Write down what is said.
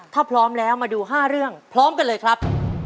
ถ้าพร้อมแล้วมาดู๕เรื่องพร้อมกันเลยครับ